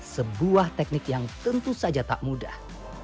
sebuah teknik yang tentu saja tak mudah